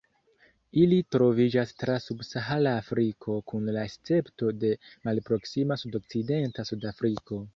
Ili troviĝas tra subsahara Afriko, kun la escepto de malproksima sudokcidenta Sudafriko.